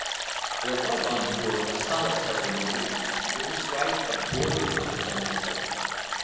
There was on board a solitary Marine, with the stripes of Border service on his coat.